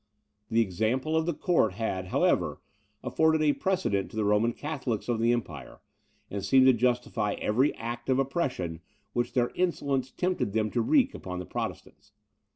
The example of the court had, however, afforded a precedent to the Roman Catholics of the empire, and seemed to justify every act of oppression which their insolence tempted them to wreak upon the Protestants.